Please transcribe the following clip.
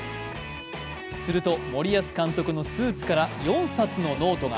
すると森保監督のスーツから４冊のノートが。